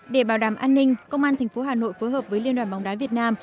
để bảo đảm an ninh công an tp hà nội phối hợp với liên đoàn bóng đá việt nam